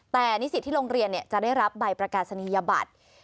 แต่นิสิตที่โรงเรียนจะได้รับใบประกาศนียบัตร